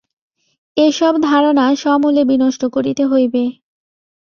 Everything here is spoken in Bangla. এ-সব ধারণা সমূলে বিনষ্ট করিতে হইবে।